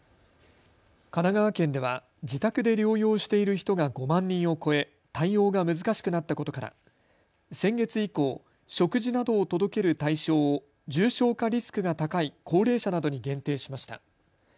神奈川県では自宅で療養している人が５万人を超え対応が難しくなったことから先月以降、食事などを届ける対象を重症化リスクが高い高齢者などに限定しました。